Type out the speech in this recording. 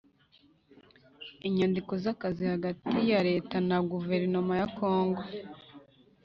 Inyandiko z akazi hagati ya leta na Guverinoma ya kongo